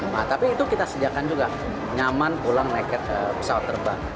nah tapi itu kita sediakan juga nyaman pulang naik pesawat terbang